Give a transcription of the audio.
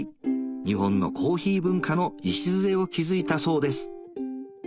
日本のコーヒー文化の礎を築いたそうです